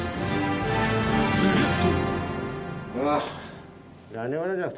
すると。